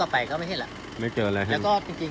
กลับไปก็ไม่เห็นแหละไม่เจออะไรแล้วก็จริงจริง